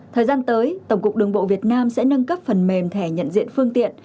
thời gian tới tổng cục đường bộ việt nam sẽ nâng cấp phần mềm thẻ nhận diện phương tiện